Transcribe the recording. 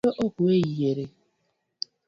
Awendo ok we yiere